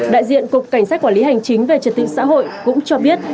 đại diện cục cảnh sát quản lý hành chính về trật tự xã hội cũng cho biết